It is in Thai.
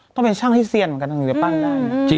ต้องเป็นช่างที่เซียนกันนึงเดี๋ยวปั้นได้